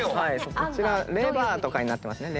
こちらレバーとかになってますね。